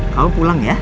kamu pulang ya